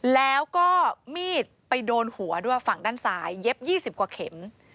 แล้วก็มีดไปโดนหัวด้วยฝั่งด้านซ้ายเย็บ๒๐กว่าเข็ม